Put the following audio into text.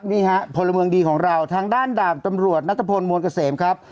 นี่ฮะพลเมืองดีของเราทางด้านดาบตำรวจนัทพลมวลเกษมครับ